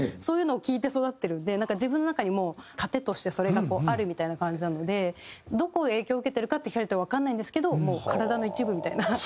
そういうのを聴いて育ってるんでなんか自分の中にもう糧としてそれがあるみたいな感じなのでどこを影響受けてるかって聞かれるとわかんないんですけどもう体の一部みたいな。